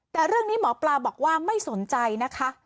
แต่เรื่องนี้หมอปลาบอกว่าไม่สนใจนะคะ